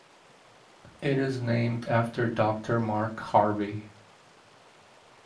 It is named after Doctor Mark Harvey.